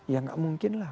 ya gak mungkin lah